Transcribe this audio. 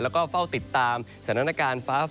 แล้วก็เฝ้าติดตามสถานการณ์ฟ้าฝน